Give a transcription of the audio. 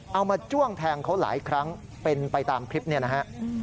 มาจ้วงแทงเขาหลายครั้งเป็นไปตามคลิปเนี่ยนะฮะ